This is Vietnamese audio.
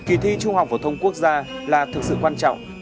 kỳ thi tốt nghiệp trung học phổ thông quốc gia là thực sự quan trọng